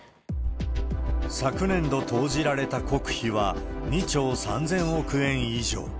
昨年度投じられた国費は２兆３０００億円以上。